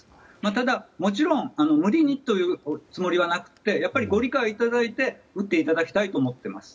ただ、もちろん無理にというつもりはなくてやはり、ご理解いただいて打っていただきたいと思っています。